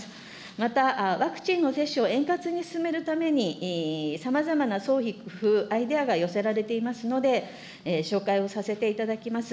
また、ワクチンの接種を円滑に進めるために、さまざまな創意工夫、アイデアが寄せられていますので、紹介をさせていただきます。